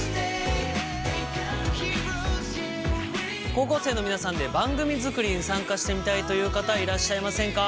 高校生の皆さんで番組作りに参加してみたいという方いらっしゃいませんか？